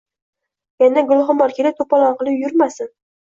Yana Gulxumor kelib to`palon qilib yurmasin